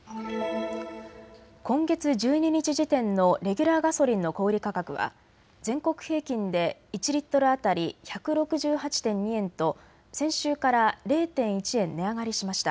今月１２日時点のレギュラーガソリンの小売価格は全国平均で１リットル当たり１６８．２円と先週から０．１円値上がりしました。